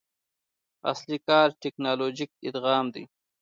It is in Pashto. اصلي کار ټکنالوژیک ادغام دی.